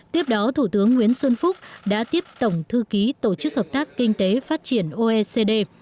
tiếp đó thủ tướng nguyễn xuân phúc đã tiếp tổng thư ký tổ chức hợp tác kinh tế phát triển oecd